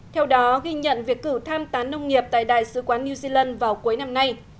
theo đó ghi nhận việc cử tham tán nông nghiệp tại đại sứ quán new zealand vào cuối năm nay